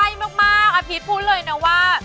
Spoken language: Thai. มันใกล้มากอาพีชพูดเลยนะว่า